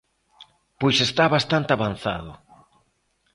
Pois está bastante avanzado.